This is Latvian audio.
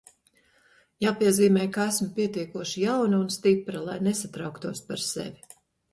Jāpiezīmē, ka esmu pietiekoši jauna un stipra, lai nesatrauktos par sevi.